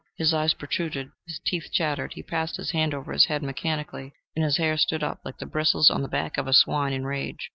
His eyes protruded, his teeth chattered, he passed his hand over his head mechanically, and his hair stood up like the bristles on the back of a swine in rage.